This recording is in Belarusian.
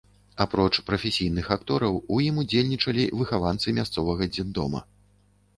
Апроч прафесійных актораў у ім удзельнічалі выхаванцы мясцовага дзетдома.